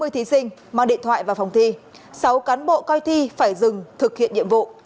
hai mươi thí sinh mang điện thoại vào phòng thi sáu cán bộ coi thi phải dừng thực hiện nhiệm vụ